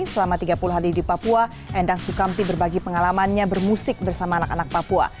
selama tiga puluh hari di papua endang sukamti berbagi pengalamannya bermusik bersama anak anak papua